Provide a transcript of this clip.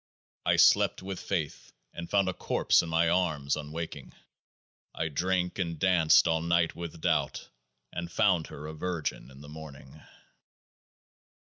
I slept with Faith, and found a corpse in my arms on awaking ; I drank and danced all night with Doubt, and found her a virgin in the morning.